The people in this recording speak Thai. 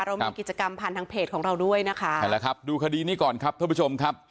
เรามีกิจกรรมผ่านทางเพจของเราด้วยนะคะใช่แล้วครับดูคดีนี้ก่อนครับท่านผู้ชมครับ